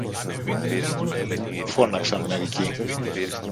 φώναξαν μερικοί.